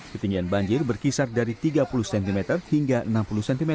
ketinggian banjir berkisar dari tiga puluh cm hingga enam puluh cm